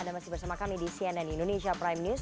anda masih bersama kami di cnn indonesia prime news